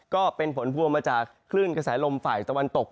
ก็เป็นผลพวงมาจากคลื่นกระแสลมฝ่ายตะวันตก